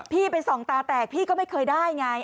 พี่ไปส่องตาแตกพี่ก็ไม่เคยได้ไง